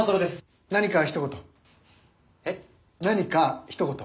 何かひと言。